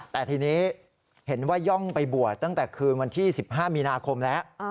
แต่ทีนี้เห็นว่าย่องไปบวชตั้งแต่คืนวันที่๑๕มีนาคมแล้ว